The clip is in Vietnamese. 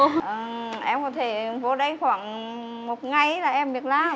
ừm em có thể vô đây khoảng một ngày là em biết làm